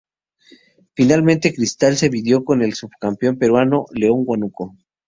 Finalmente Cristal se midió con el subcampeón peruano, León de Huánuco.